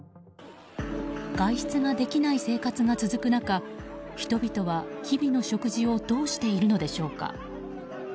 外出ができない生活が続く中人々は日々の食事をどうしているのでしょうか。